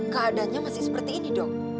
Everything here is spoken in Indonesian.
keadaannya masih seperti ini dok